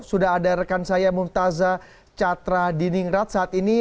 sudah ada rekan saya muftazah chatra diningrat saat ini